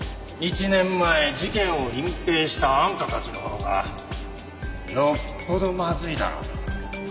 １年前事件を隠蔽したあんたたちのほうがよっぽどまずいだろ。